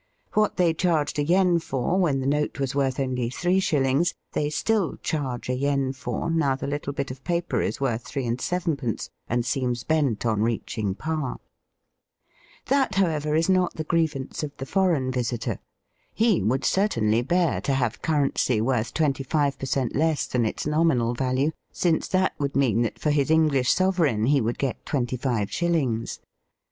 What they charged a yen for when the note was worth only three shillings, they still charge a yen for now the Uttle bit of paper is worth three and sevenpence, and seems bent on reaching par. That, however, is not the grievance of the foreign visitor. He would certainly bear to Digitized by VjOOQIC HlP^B«jw«=Tcr==?=^ DINING AND CBEMATING. 5 have currency worth twenty five per cent, less than its nominal value, since that would mean that for his Enghsh sovereign he would get twenty five shilUngs.